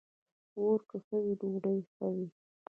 اوړه که ښه وي، ډوډۍ ښه وي